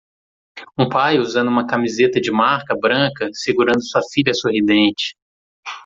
Um pai usando uma camiseta de marca branca segurando sua filha sorridente.